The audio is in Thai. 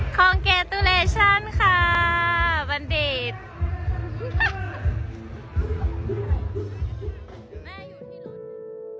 ขอร้องกันใหม่ค่ะบันเดชน์